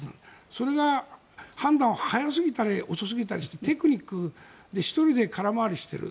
それが判断が早すぎたり遅すぎたりしてテクニックで１人で空回りしている。